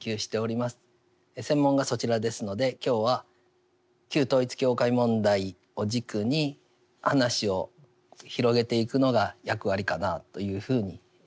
専門がそちらですので今日は旧統一教会問題を軸に話を広げていくのが役割かなというふうに思っております。